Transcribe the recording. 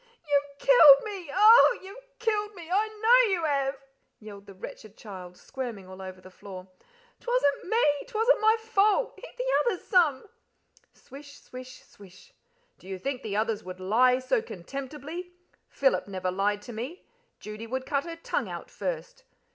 "You've killed me oh, you've killed me! I know you have!" yelled the wretched child, squirming all over the floor. "'Twasn't me, 'twasn't my fault hit the others some." Swish, swish, swish. "Do you think the others would lie so contemptibly? Philip never lied to me. Judy would cut her tongue out first."